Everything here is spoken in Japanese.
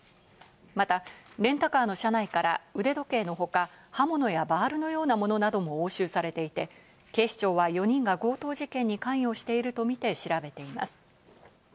またレンタカーの車内から腕時計のほか刃物やバールのようなものなども押収されていて、警視庁は４人が強盗事件に関与しているとみて調べています。